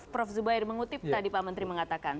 prof zubair mengutip tadi pak menteri mengatakan